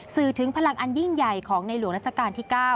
สื่อถึงพลังอันยิ่งใหญ่ของในหลวงรัชกาลที่๙